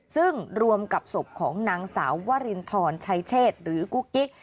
ซึ่งรวมกับศพของนางสาววรินทรชัยเชศหรือกุ๊กกิ๊ก